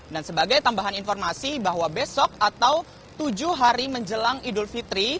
dan sebagai tambahan informasi bahwa besok atau tujuh hari menjelang idul fitri